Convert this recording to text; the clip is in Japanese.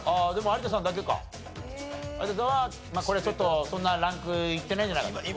有田さんはこれはちょっとそんなランクいってないんじゃないかと。